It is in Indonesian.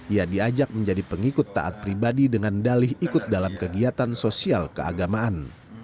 ia diajak menjadi pengikut taat pribadi dengan dalih ikut dalam kegiatan sosial keagamaan